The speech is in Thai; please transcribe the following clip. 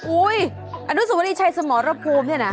อุ๊ยอนุสวรีชัยสมรภูมิเนี่ยนะ